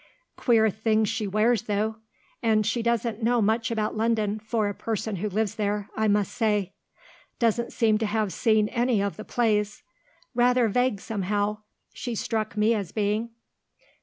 Queer things she wears, though. And she doesn't know much about London, for a person who lives there, I must say. Doesn't seem to have seen any of the plays. Rather vague, somehow, she struck me as being."